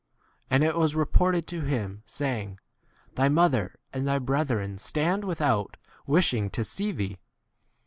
And it was reported to him, saying, Thy mother and thy brethren stand without wishing to see thee.